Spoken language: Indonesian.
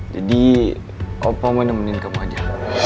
jadi opa mau nemenin kamu aja